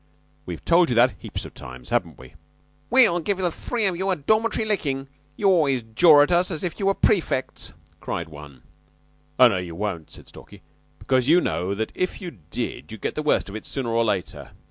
We've told you that heaps of times, haven't we?" "We'll give the three of you a dormitory lickin'. You always jaw at us as if you were prefects," cried one. "Oh, no, you won't," said Stalky, "because you know that if you did you'd get the worst of it sooner or later.